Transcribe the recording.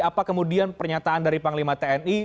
apa kemudian pernyataan dari panglima tni